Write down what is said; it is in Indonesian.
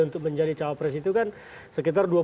untuk menjadi cawapres itu kan sekitar